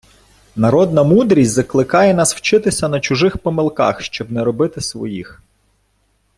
Народна мудрість закликає нас вчитися на чужих помилках, щоб не робити своїх